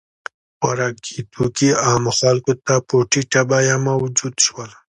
• خوراکي توکي عامو خلکو ته په ټیټه بیه موجود شول.